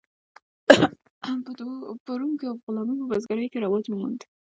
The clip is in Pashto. په روم کې غلامي په بزګرۍ کې رواج وموند.